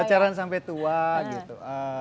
pancaran sampai tua gitu